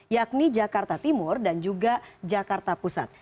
yakni jakarta timur dan juga jakarta pusat